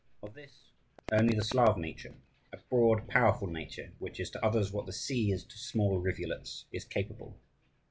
Of this only the Slav nature, a broad, powerful nature, which is to others what the sea is to small rivulets, is capable.